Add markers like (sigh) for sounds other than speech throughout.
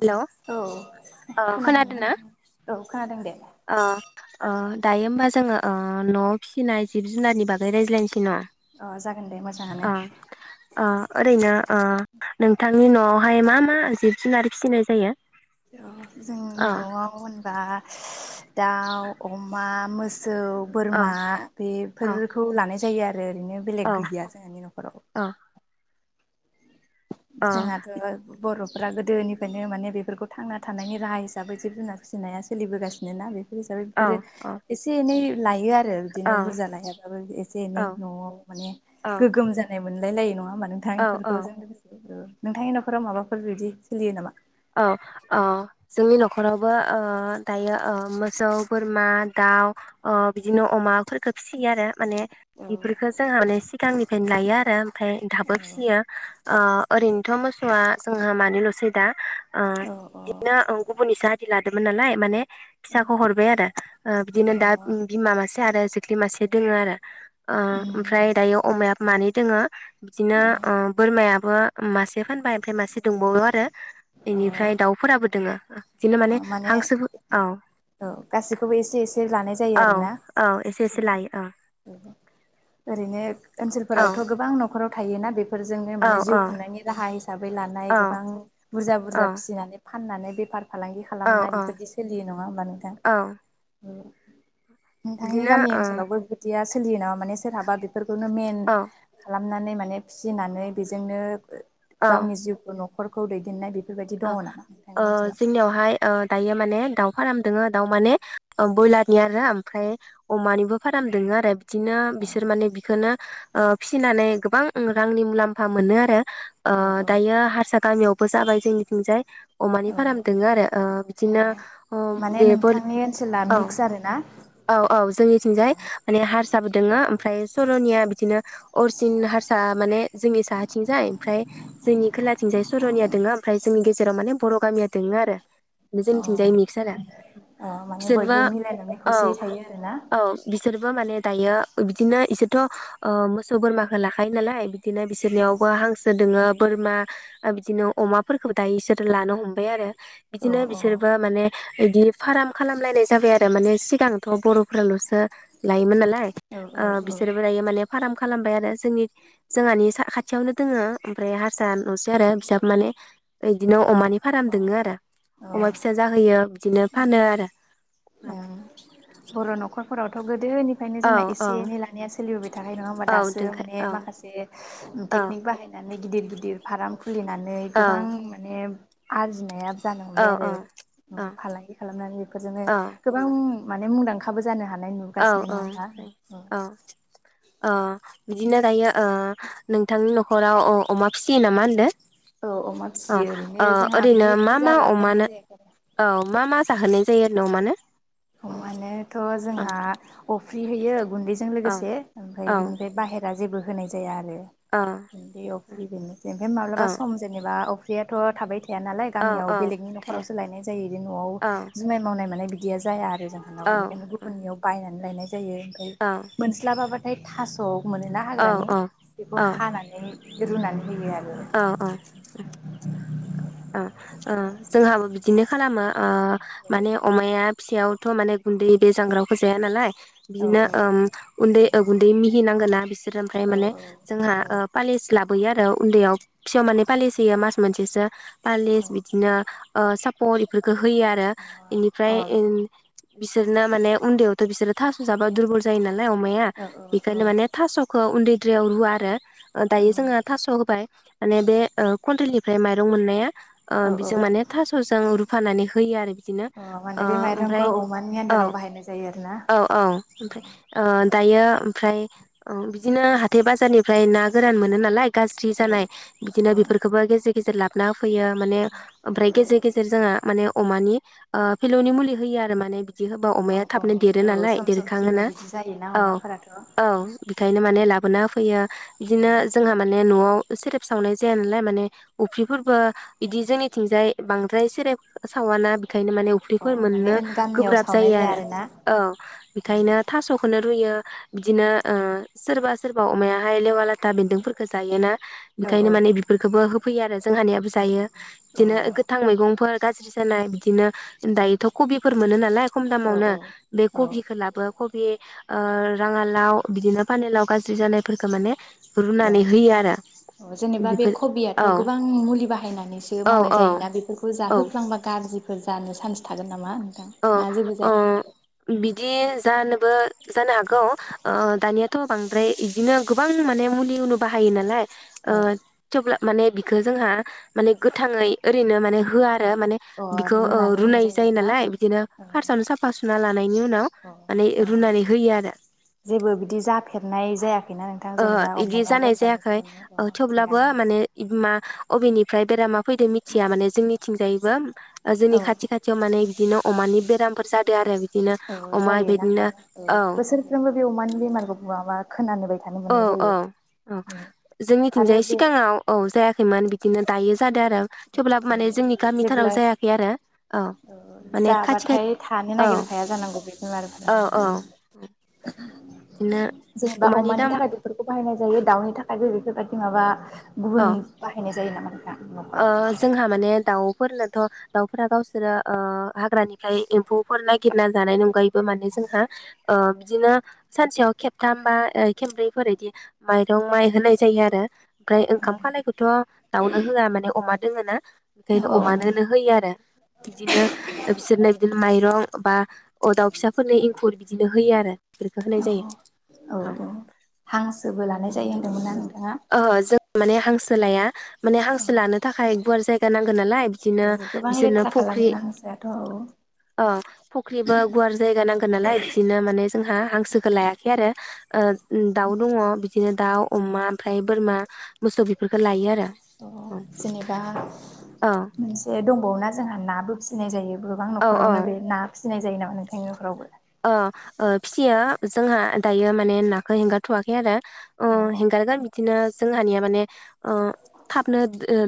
Hello औ अ खोनादोंना खोनादोना? नोंथाङा? औ खोनादों दे अ अ दायो होमबा जोङो ओ नवाव फिसिनाय जिब जुनारनि बागै रायज्लायनिसै (unintelligible) अ जागोन दे मोजाङानो ओ ओ ओरैनो ओ नोंथांनि नवावहाय मा मा जिब जुनार फिसिनाय जायो। जोंनि ओ नआव होनबा दाउ, अमा, मोस सौ औ बोरमा औ बेफोरखौ लानाय जा जायो आर। ओमफ्राय ओरैनो औ बेलेग गैया जोंहानि न'खराव। औ औ जोंहाथ बर फोरा गोदोनिफ्रायनो माने बेफोरखौ थांना थानायनि राहा हिसाबै जिब जुनार फिसिनाया सोलिबोगासिनो ना बे (unintelligible) औ बेफोरो एसे एनै बिनो आरो बिदिनो बुरजा औ लायाब्लाबो एसे एनै नवाव माने औ गोगोम जानाय मोनलाय लायो नङा ओमबा नोंथां औ इफोरखौ औ जों नोंथांनि नखराव माबाफोर बिबदि सोलियो नामा? औ अ जोंनि नखरावबो ओ दायो ओ मोसौ बोरमा दाउ ओ बिदिनो अमाफोरखो फिसियो आरो माने औ बिफोरखो जोंहा माने सिगांनि फेन लायो आरो ओमफ्राय दाबो फिसियो। अ ओरैनोथ मोसौआ जोंहा मानैलसै दा ओ औ बिदिनो उम गुबुननिसो आदि लाद मोन नालाय माने फिसाखौ हरबाय आरो ओ बिदिनो दा औ बिमा मासे आरो जोख्लि मासे दोङो आरो ओ उम ओमफ्राय दायो अमायाबो मानै दोङो बिदिनो औ ओ बोरमाया बो मासे फानबाय ओमफाय मासे दोंबावो आरो इनिफ्राय दाउफोराबो दोङो। बिदिनो ओ माने हांसो औ औ गासैखौबो एसे एसे लानाय जायो औ आरोना औ एसे एसे लायो ओरैनो (unintelligible) औ ओनसोलफोरावथ' गोबां नख न'खराव थायोना बे फोरजोंनो औ माने जिउ औ खुंनायनि राहा हिसाबै लानाय औ गोबां बुरजा बुरजा फिसिनानै फाननानै बेफार फालांगि औ खालामनाय औ बेफोरदि सोलियो नङा होमबा नोंथां? औ नोंथांनि बिदिनो गामि औ ओनसोलावबो बिदिया सो सोलियो नामा माने सोरहाबा बेखौनो मेन औ खालाम खालामनानै माने फिसिनानै बेजोंनो गावनि जिउखौ न'खर फोरखौ दैदेननाय बि ओ ओ जोंनियावहाय ओ दायो माने दाउ फाराम दोङो दाउ माने बयलारनि आरो ओमफ्राय अमानिबो फारामदोङो आरो बिदिनो औ बिसोर माने बिखोनो ओ फिसिनानै गोबां ओं रांनि मुलाम्फा मोनो आरो। ओ औ दायो हारसा गामियावबो जाबाय जोंनि थिंजाय अमानि औ फाराम दङो आरो बिदिनो माने बे नोंथांनि ओनसोला औ मिक्स आरोना? औ औ जोंनिथिंजाय माने हारसाबो दोङो ओमफ्राय सर'निया बिदिनो अरसिन हारसा माने जोंनि साहाथिंजाय ओमफ्राय जोंनि खोलाथिंजाय सर'निया दोङो आर फ्राय जोंनि गेजेराव माने बर' गामिया दोङो आरो बे अ जोंनिथिंजाय मिक्स आरो अ माने बयबो बिसोरबो मिलायनानै औ खौसेयै थायो आरोना? औ बिसोरबो माने दायो बिदिनो इसोरथ' ओ मोसौ बोरमाखौ लाखायो नालाय बिदिनो औ औ बिसोरनियावबो हांसो दोङो बोरमा ओ बिदिनो अमा फोरखबो दा इसोरो लानो हमबाय आरो औ बिदिनो बिसोरबो माने इदिफ फार्म खालामलायनाय जाबाय आरो थारमाने सिगांथ' बर'फोराल'सो लायोमोन नालाय औ औ ओ बिसोरबो दायो माने फार्म खालामबाय आरो जोंनि जोंहानि साखाथियावनो दोङो ओमफ्राय हारसा न'सो आरो बिसाबो माने बिदिनो अमानि फाराम औ अ दङो आरो अमा अ फिसा जाहोयो बिदिनो फानो आरो बर नखरफोरावथ गोद गोदोनिफ्रायनो औ जोंना औ एसे एनै लानाया सोलिबोबाय थाख नङा होमबा औ दासो दोनखाय माने औ माखासे औ टेकनिक बाहायनानै गिदिर गिदिर फार्म खुलिनानै गोबां माने आरजिनाया जानो औ हबाय औ आरो उम फालांगि खालामनानै बेफोरजोंनो गोबां माने मुंदांखाबो जानो हानाय औ नुगासिनो औ नङा होमबा औ औ बिदिनो दायो ओ नोंथांनि नखराव अ अमा फिसियो नामा होनदों? औ अमा औ फिसियो ओरैनो ओ जोंहा बिदि ओरैनो मा बुरजा मा लाफेरनाय अमानो जायाखै आरो औ मा मा जाहोनाय (unintelligible) मानो अमानो थ जोंहा फ्रि होयो गुन्दैजों औ लोगोसे ओमफ्राय औ बिनिफ्राय बाहेरा जेबो होनाय जाया आरो गुन्दै अफ्रि बेनो ओमफ्राय औ माब्लाबा सम जेनेबा अ दैआथ थाबाय थ थाया नालाय औ गामियाव औ बेलेगनि थाया नरावसो लायनाय जायोदि नआव औ जुमाय मावनाय माने बि (unintelligible) जाया आरो औ बेनिखायनो औ गुबुननियाव बायनानै लायनाय जायो फाय औ मोनस्लाबाबाथ ओमफ्राय थास मोनो ना हाग्रानि औ बेखौ औ हानानै रुनानै होयो आरो औ औ ओ ओ जोंहाबो बिदिनो खालामो ओ माने अमाया फिसायावथ माने गुन्दै बे जांग्राखौ जाया नालाय औ बिनो औ ओम उन्दै ओ गुन्दै मि सि नांगोना बिसोर होथ ओमफ्राय औ माने औ जोंहा ओ नांगौ पालिस लाब होयो आरो उन्दैयाव फिसौ माने फालिसैयो मास मोनसेसो औ पालेेज बिदिनो ओ सापर इफोर खो होयो आरो औ इनिफ्राय उम बिसोरनो माने उन्दै यावथ बिसोरो थास जाबा दुरबल जायोना लाय अमाया औ बेखायनो माने थासख ओ उन्दै द्रायाव रुवा आरो। ओ दायो जोंङो औ थास' होबाय माने बे ओ कनट्रेलनि। फ्राय माइरं मोननाया अ औ बिजों औ माने थासजों रुफानानै होयो आरो बिदिनो माने अ बे ओमफ्राय माइरंखौ अमानि औ आदाराव बाहायनाय जायो आरो ना औ औ ओमफ्राय अ दायो ओमफ्राय अ बिदिनो हाथाय बाजारनिफ्राय ना गोरान मोनो नालाय गाज्रि जानाय बिदिनो औ बेफोरखौबो गेजे गेजेर लाबोनाव हो फैयो माने ओमफ्राय गेजेर गेजेर जोंहा माने अमानि अ फिलौनि मुलि होयो आरो माने बिदि होबा औ अमाया औ थाबनो देरो औ नालाय सम सम फिलौ देरखाङोनो बिदि जायोना औ अमाफोराथ' औ बेखायनो माने लाबोना हो फैयो बिदिनो जोंहा माने नवाव। सेरेब सावनाय जाया नालाय माने अफ्रिफोर बो बिदि जोंनिथिंजाय बांद्राय सिरेब सावाना बे खायनो माने अ उफ्रिफोर माने मोननो गामियाव गोब्राब सावनाय जायो जाया आरो आरोना औ औ बेखायनो थासखोनो रुयो बिदिनो ओ सोरबा सोरबा अमायाहाय लेवा लाथा बेन्दोंफोरखो जायोना औ अ ओंखायनो माने बेफोरखौबो हो फैयो आरो जोंहानियाबो जायो औ बिदिनो गोथां मैगंफोर गाज्रि जानाय बिदिनो दायोथ कबिफोर मोनो नालाय। खम दामावनो औ बे औ कबिखौ लाबो कबि अ राङालाव बिदिनो पानलाव गाज्रि जानायफोरखौ माने औ रुनानै होयो आरो औ जेनेबा बे बेफोर कबियाथ' औ गोबां मुलि बाहायनानैसो औ मावनाय औ जायोना बेफोरखौ औ जाहोफ्लांबा गाज्रिफोर जानो सा थागोन नामा? नोंथां ओ ना जेबो ओ जाया बि दि जानोबो जानो हागौ ओ दानियाथ बांद्राय इदिनो गोबां माने मुलि उनो बाहायो नालाय औ अ थेवब्ला माने बिखौ जोंहा माने गोथाङै ओरैनो माने होआ। माने अ बिखौ रुनानै होनाय रुनाय जायो नालाय बिदिनो फारसावनो साफा सु (unintelligible) अ औ आरो जेबो बिदि जाफेरनाय जायाखैना। ओ जेनेबा इदि अमाया जानाय लोमजानाय जायाखै साजानाय अ ओ थेवब्लाबो थिगानो होमबा माने इ मा अबेनिफ्राय बेरामा फैदो मिथिया माने जोंनि इथिंजायबो ओ जोंनि औ खाथि खाथियाव माने बिदिनो अमानि बेराम। फोर जादो आरो बि औ जायोना अमा औ बोसोरफ्रोमबो बे अमानि बेमारखौ बवाबा औ औ औ आरो जोंनिथिंजाय बे सिगाङाव औ जायाखैमोन बिदिनो दायो दा आरो थेवब्लाबो माने जोंनि गामिथाराव जेब्ला जायाखै आरो औ माने खाथि खाय जाबाथाय थानो औ नागिरखाया जानांगौ बे बेमारफोरा औ औ बिदिनो जेनेबा अमानि थाखाय बेफोरखौ बाहायनाय जायो दाउनि थाखायबो बेफोरबायदि माबा औ गुबुन बाहायनाय जायो नाामा? (unintelligible) ओ जोंहा माने दाउफोरनो थ' दाउफोरा गावसोरो ओ हाग्रानिफ्राय एम्फौफोर नागिरना जानायनि अनगायैबो माने जोंहा ओ बिदिनो सानसेयाव खेबथाम बा खेबब्रैफोर बिदि माइरं माइ होनाय जायो आरो ओमफ्राय औ ओंखाम खालायखौथ' दाउनो होआ अमा दोङो ना बेखायनो औ अमानोनो होयो आरो बिदिनो बिसोरनो बिदिनो माइरं बा अ दाउ फिसाफोरनो एंखुर बिदिनो होयो आरो बेफोरखौ होनाय औ जायो औ हांसोबो लानाय जायो होन्दोंमोनना नोंथाङा ओहो जों माने हांस थोलाया। माने हांसो औ लानो (unintelligible) गुवार जायगा ना नालाय बिदिनो औ गोबां बिसोरनो लेथ्रा फख्रि खालामोना हांसोआथ' औ ओ फख्रिबो गुवार जायगा नांगोन नालाय बिदिनो माने जोंहा हांसोखो लायाखै आरो ओ दाउ दङ बिदिनो दाउ अमा ओमफ्राय बोरमा मोसौ बेफोरखो लायो आरो। औ (unintelligible) जेनेबा मोनसे दं‌ बावना जोंहा नाबो फिसिनाय जायो गोबां औ औ न'खरावनो बे ना फिसिनाय जायो नामा नोंथांनि नफ्रावबो? अ ओ फिसियो जोंहा दायो माने नाखौ हेंगारथ'वाखै आरो। अ औ हेंगारगोन बिदिनो जोंहानिया माने ओ थाबनो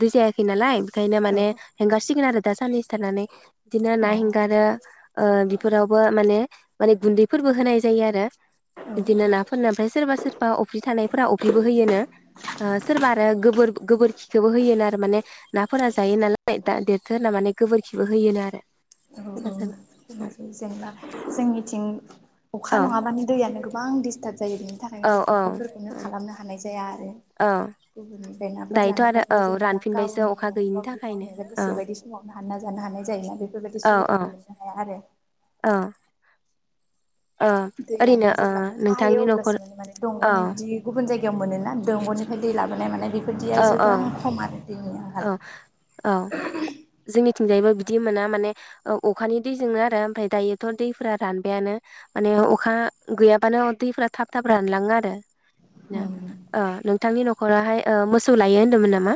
दै जायाखै नालाय बेखायनो औ माने हेंगारसिगोन आरो सानैसो थानानै इदिनो औ ना हेंगारो ओ बिफोरावबो माने माने गुन्दैफोरबो होनाय जायो आरो बिदि नाफोरनो (unintelligible) बा अफ्रि थानायफोरा अफ्रिबो होयोनो सोरबा आरो गोबोर गोबोरखिखौबो होयोनो आरो माने नाफोरा जायो नालाय द देरथो होनना माने गोबोरखिबो होयोनो आरो औ औ औ सोरबा सोरबा (unintelligible) जोंनिथिं अखा औ नङाबानो दैयानो गो बां सटार्ट जायो बेनि थाखायनो संख्रिफोरखौनो खालामनो हानाय जाया अ ओमफ्राय नाफोर जानायफ्राबो जेनेबा गावनि अखा गैयिनि नखराव बिदि थाखायनो मावनाया औ गोसो बायदि समावनो ना जानो हानाय जायोना बेफोरबायदि औ औ सुबिदाखौ मोननो हाया आरो औ औ ओरैनो दैयानो ओ जेब्ला अखा हायो नोंथांनि न'खर अब्लासिमा माने औ दंगनि बिदि गुबुन जाय याव मोनोना दंगनिफ्राय दै लाबोनाय मानाय औ बेफोरदिया औ जोबबो आं खम आरो दैनि आंखाल औ औ जोंनि थिंजायबो बिदि मोना माने अखानि दैजोंनो आरो ओमफ्राय दायोथ दैफरा रानबायानो माने अखा गैयाबानो दैफ्रा थाब थाब रानलाङो आरो ना नों बिथांनि न'खरावहाय ओ मोसौ लायो होनदोमोन नामा?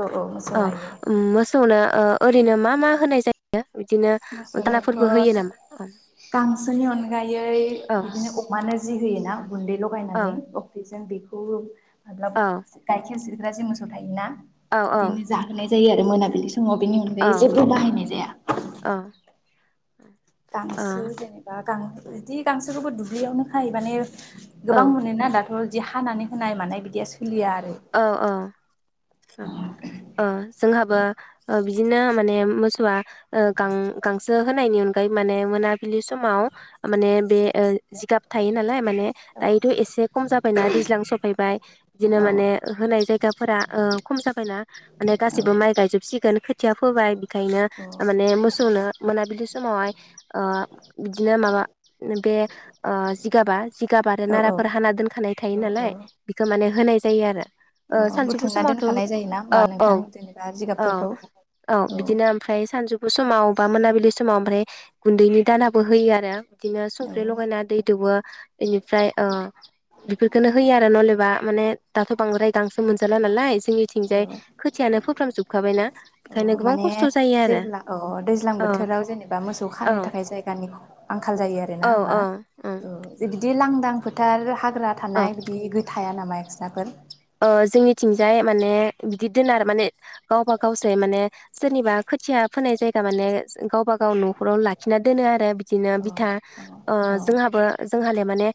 औ औ मोसौ अ लायो मौसौनो ओ ओरैनो मा मा होनाय जायो? बिदिनो मोसानोथ' दानाफोरबो होयो नामा औ गांसोनि अनगायै औ बिदिनो अमानो जि होयोना गुन्दै औ लगायनानै अफिस जों बेखौबो (unintelligible) गायखेर से खुग्राजों मोसौ थायोना औ बिदिनो जाहोनाय जायो आरो मोना (inaudible) जोंङो बेनि औ अनगायै जेबो बाहायनाय जाया औ गांसो जेनेबा गांसो बिदि गांसोखौबो दुब्लियावनो खायो बाने गोबां मोनोना दाथ बिदि हानानै होनाय मानाय बिदिया स औ औ ओ। जोंहाबो ओ बिदिनो माने मोसौआ ओ गां-गांसो होनायनि अनगायै माने मोनाबिलि समाव माने बे ओ जिगाब थायो नालाय माने औ दायोथ' एसे खम जाबायना दैज्लां सफैबाय बिदिनो औ माने होनाय जायगाफोरा ओ खम जाबायना माने औ गासिबो माइ गायजोबसिगोन खोथिया फोबाय। ओंखायनो माने मोसौनो मोना बिदि समावहाय ओ बिदिनो माबा ओ बे जिगाबा जिगाब आरो औ नाराफोर हाना दोनखानाय थायो औ औ नालाय बिखो माने होनाय जायो आरो। ओ अ सानजौफु बुथुमना समावथ' दोनखानाय जायोना औ होमबा औ नोंथां जेनेबा औ जिगाबफोरखौ औ बिदिनो ओमफ्राय सानजौ समाव बा मोनाबिलि समाव ओमफ्राय गुन्दैनि दानाबो होयो आरो बिदिनो औ संख्रि लगायना दै दौवो बेनिफ्राय ओ बेफोरखौनो होयो आरो नलेबा माने दाथ' बांद्राय दांसो मोनजाला नालाय औ जोंनिथिंजाय खोथियानो फोफ्रामजोबखाबायना औ ओंखायनो गोबां माने खस्थ' जायो आरो जेब्ला अ दैज्लां बोथोराव जेनेबा मोसौ औ औ खानो थाखाय जायगानि आंखाल औ औ औ। दि लांदां फोथार हा फोरा औ थानाय बिदि गोथां हाया नामा एक्स दाफोर ओ जोंनिथिंजाय माने बिदि दोनो आरो माने गावबा गावसै माने सोरनिबा खोथिया फोनाय जाय जा माने गावबा गाव न'खराव लाखिना दोनो आरो बिदिनो अ बिथा अ ओ औ जोंहाबो जों हाले ओ माने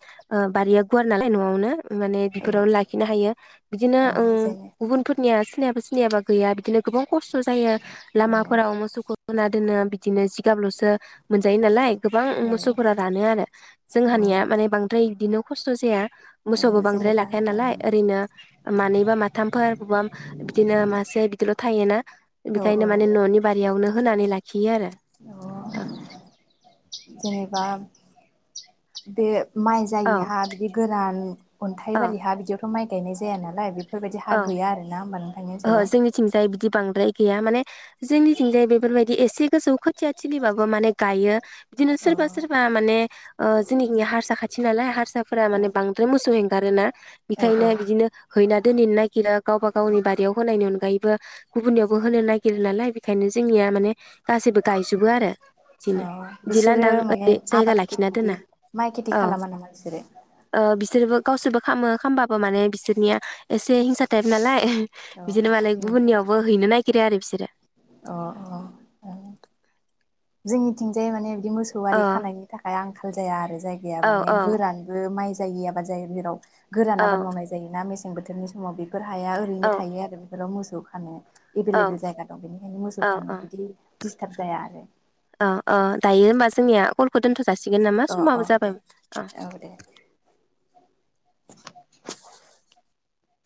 बारिया गुवार नालाय न'आवनो माने औ बेफोराव लाखिनो हायो। बिदिनो औ ओ जेने गुबुनफोर निया सिनियाबा सिनियाबा गैया बिदिनो गोबां खस्थ' जायो औ लामाफोराव मोसौखौ होना दोनो बिदिनो जि गाबलसो मोनजायो नालाय गोबां औ मोसौफोरा रानो आरो औ जोंहानिया माने बांद्राय दिनाव खस्थ' जाया मोसौबो औ बांद्राय जेनेबा लाखाया नालाय औ ओरैनो मानैबा माथामफोर बबा बिदिनो मासे बिदिल' थायोना औ बेखायनो माने न'नि बारियावनो होना (unintelligible) दि आरो औ बेह माइ जायि हा बिदि गोरान अन्थाइ औ बालि हा बिदियावथ' माइ गायनाय जाया नालाय बि बेफोरबायदि हा औ गैया आरोना होमबा नों ओहो जोंनिथिंजाय बिदि बांद्राय गैया माने जोंनिथिंजाय बेफोरबायदि एसे गोजौ खोथिया थिलिबाबो माने गायो। बिदिनो औ सोरबा सोरबा माने ओ जोंनिखि हारसा खाथि नालाय हारसाफोरा औ माने बांद्राय मोसौे हें आरो ना औ औ बेखायनो बिदिनो हैना दोनहैनो नागिरा गावबा गावनि बारि नायनि अनगायैबो गुबुननियावबो होनो नागिरो नालाय बेखायनो जोंनिया माने गासैबो गायजोबो आरो बिदिनो औ बिदि बिसोरो लान्दां माने जायगा आबाद लाखिना बिदि दोना माइ खेथि ओ खालामा नामा बिसोरो बिसोरबो गावसोरबो खामो खामबा बाबो माने बिसोरनिया एसे हिंसा टाइप नालाय। औ बिदिनो माने गुबुुननियावबो है नागिरो आरो बिसोर अह अह अह। जोंनिथिंजाय माने अ मोसौआरि खानायनि थाखाय आं फोजाया आरो जायगाया औ माने औ गोरानबो माइ जाय गैयाबा जायो जेराव औ गोरान आबाद मावनाय जायोना मेसें बोथोर समाव बि फोर हाया औ ओरैनो थायो आरो बेफोराव मोस जौखानो एभेलेबेल जायगा दं बेनिखायनो मोसौ औ खानोनो औ बिदि डिस्टार्ब जाया आरो। औ औ दायो होनबा जों जोंनिया अलखौ दोनथ' जासिगोन नामा अ अ समाबो दे जाबायमोन अ। औ दे (inaudible)